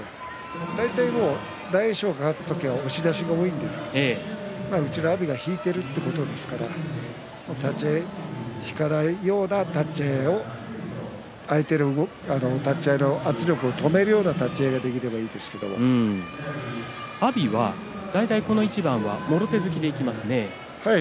大体、大栄翔が勝った時は押し出しが多いのでうちの阿炎が引いているということですから立ち合い引かないような立ち合いを相手の立ち合いの圧力を止めるような立ち合いが阿炎は大体この一番はもろ手突きでいきますね。